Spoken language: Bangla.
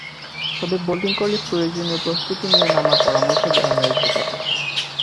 তবে বোলিং করলে প্রয়োজনীয় প্রস্তুতি নিয়ে নামার পরামর্শ দেওয়া হয়েছে তাঁকে।